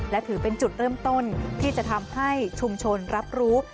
และถือเป็นจุดเริ่มต้นที่จะทำให้ชุมชนรับรู้